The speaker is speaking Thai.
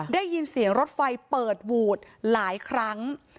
ได้ยินเสียงรถไฟเปิดหวูดหลายครั้ง